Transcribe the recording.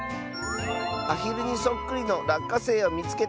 「アヒルにそっくりのらっかせいをみつけた！」。